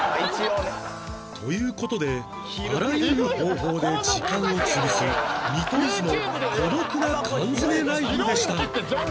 という事であらゆる方法で時間を潰す見取り図の孤独な缶詰めライフでした